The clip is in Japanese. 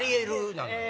なのよね。